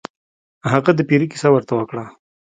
هغه د پیري کیسه ورته وکړه.